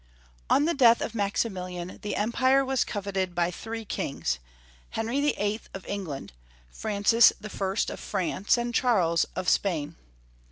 ON the death of Maximilian, the Empire was coveted by three kings, Henry VIII. of Eng land, Francis I. of France, and Charles * of Spain.